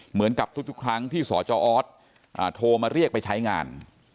เหมือนกับทุกครั้งที่สจออสโทรมาเรียกไปใช้งาน